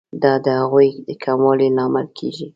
دا د هغوی د کموالي لامل کیږي.